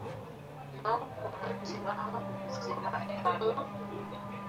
no umunsibaha ubuzima tanye